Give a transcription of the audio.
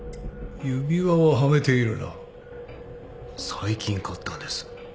最近買ったんです。